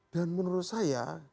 dan menurut saya